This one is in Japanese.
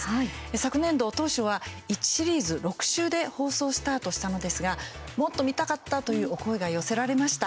昨年度、当初は１シリーズ６週で放送をスタートしたのですがもっと見たかったというお声が寄せられました。